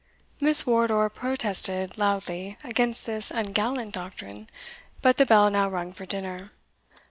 Miss Wardour protested loudly against this ungallant doctrine; but the bell now rung for dinner.